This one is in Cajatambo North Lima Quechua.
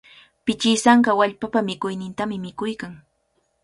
Pichisanka wallpapa mikuynintami mikuykan.